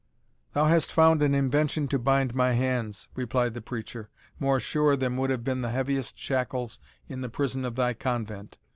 "Thou hast found an invention to bind my hands," replied the preacher, "more sure than would have been the heaviest shackles in the prison of thy convent.